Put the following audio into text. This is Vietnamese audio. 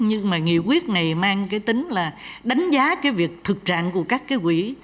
nhưng mà nghị quyết này mang cái tính là đánh giá cái việc thực trạng của các cái quỹ